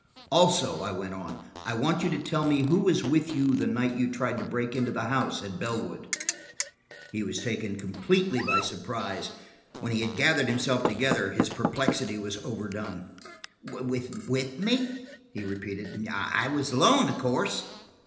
"Also," I went on, "I want you to tell me who was with you the night you tried to break into the house at Bellwood." He was taken completely by surprise: when he had gathered himself together his perplexity was overdone. "With me!" he repeated. "I was alone, of course."